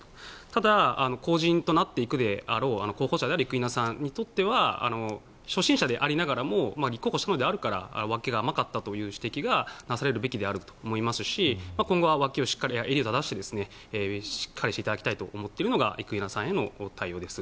ただ、公人となっていくであろう候補者である生稲さんにとっては初心者でありながら立候補したのであるから脇が甘かったという指摘がなされるべきだと思いますし今後は襟を正してしっかりしていただきたいと思っているのが生稲さんへの対応です。